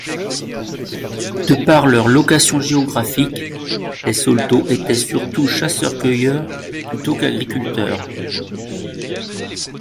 De par leur location géographique, les Saulteaux étaient surtout chasseurs-cueilleurs plutôt qu'agriculteurs.